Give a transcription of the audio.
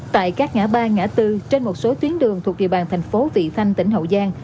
tại các ngã ba ngã bốn trên một số tuyến đường thuộc địa bàn tp vị thanh tỉnh hậu giang